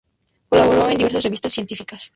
Colaboró en diversas revistas científicas.